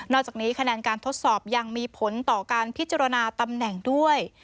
อกจากนี้คะแนนการทดสอบยังมีผลต่อการพิจารณาตำแหน่งด้วย